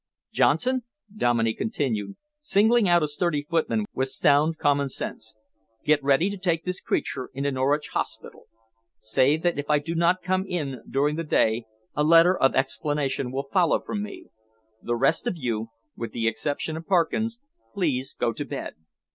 Johnson," Dominey continued, singling out a sturdy footman with sound common sense, "get ready to take this creature into Norwich Hospital. Say that if I do not come in during the day, a letter of explanation will follow from me. The rest of you, with the exception of Parkins, please go to bed."